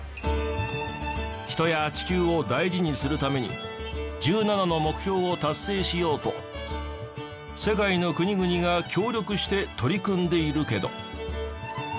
人や地球を大事にするために１７の目標を達成しようと世界の国々が協力して取り組んでいるけど。